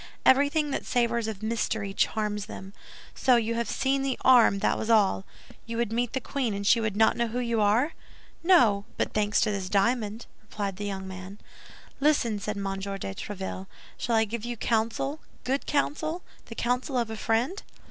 Everything that savors of mystery charms them. So you have seen the arm, that was all. You would meet the queen, and she would not know who you are?" "No; but thanks to this diamond," replied the young man. "Listen," said M. de Tréville; "shall I give you counsel, good counsel, the counsel of a friend?"